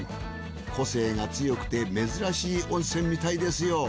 個性が強くて珍しい温泉みたいですよ。